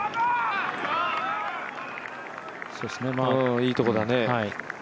いいとこだね。